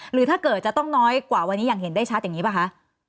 หรือถ้าเกิดจะต้องน้อยกว่าวันนี้อย่างเห็นได้ชัดอย่างนี้ป่ะคะ